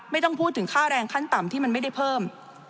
ไม่ต้องพูดถึงค่าแรงขั้นต่ำที่มันไม่ได้เพิ่ม